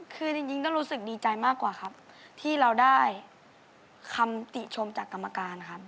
คือจริงก็รู้สึกดีใจมากกว่าครับที่เราได้คำติชมจากกรรมการครับ